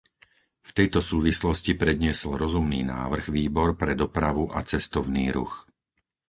V tejto súvislosti predniesol rozumný návrh Výbor pre dopravu a cestovný ruch.